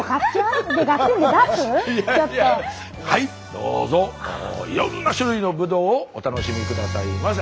どうぞいろんな種類のブドウをお楽しみ下さいませ。